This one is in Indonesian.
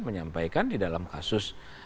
menyampaikan di dalam kasus